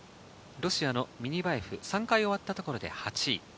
ロシアのミニバエフ、３回終わったところで８位。